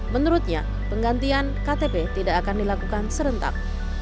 menurutnya penggantian ktp tidak akan dilakukan serentak